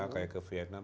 kayak ke vietnam